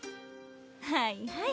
はいはい。